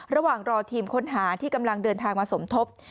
ระหว่างรอทีมค้นหาที่กำลังเดินทางมาสมทบ